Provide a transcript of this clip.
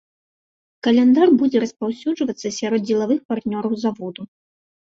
Каляндар будзе распаўсюджвацца сярод дзелавых партнёраў заводу.